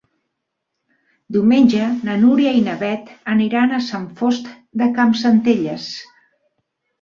Diumenge na Núria i na Beth aniran a Sant Fost de Campsentelles.